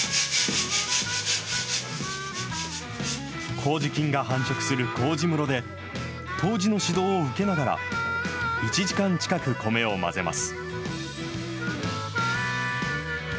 こうじ菌が繁殖するこうじ室で、杜氏の指導を受けながら、１時間近く米を混ぜます。